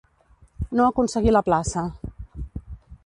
No aconseguí la plaça.